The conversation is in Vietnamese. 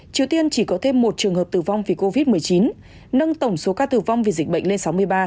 triều tiên chỉ có thêm một trường hợp tử vong vì covid một mươi chín nâng tổng số ca tử vong vì dịch bệnh lên sáu mươi ba